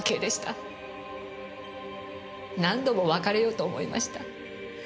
何度も別れようと思いました。